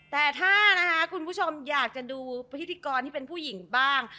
แต่ถ้านะคะคุณผู้ชมอยากจะดูพิธีกรที่เป็นผู้หญิงบ้าง